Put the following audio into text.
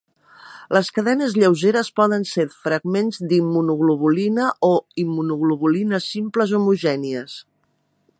Les cadenes lleugeres poden ser fragments d'immunoglobulina o immunoglobulines simples homogènies.